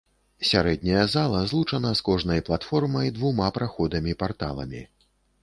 Сярэдняя зала злучана з кожнай платформай двума праходамі-парталамі.